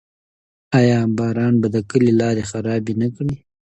آیا باران به د کلي لارې خرابې نه کړي؟